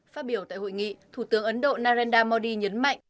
phát biểu tại hội nghị thủ tướng ấn độ narendra modi nhấn mạnh